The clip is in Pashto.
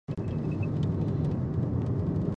• شیدې د وینې د غوړ کمولو لپاره هم ګټورې دي.